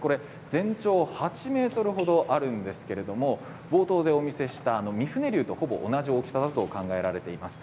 全長８ｍ程あるんですけれど冒頭でお見せしたミフネリュウとほぼ同じ大きさだと考えられています。